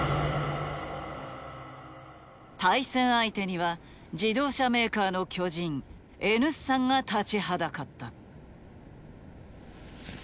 対戦相手には自動車メーカーの巨人Ｎ産が立ちはだかった。